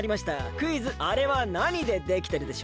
クイズ「あれは何でできてるでしょう？」。